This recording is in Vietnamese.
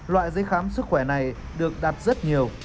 loại giấy khám sức khỏe này được đặt rất nhiều